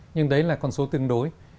nhưng đấy là con số tương đối